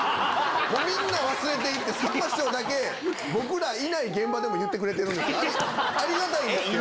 みんな忘れて行ってさんま師匠だけ僕らいない現場でも言ってくれてありがたいんですけど。